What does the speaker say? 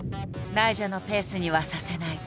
「ナイジャのペースにはさせない」。